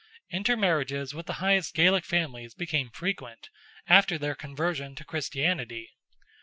Inter marriages with the highest Gaelic families became frequent, after their conversion to Christianity.